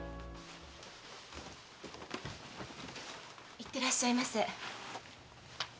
行ってらっしゃいませ。